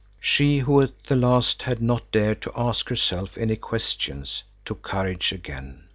She, who at the last had not dared to ask herself any questions, took courage again.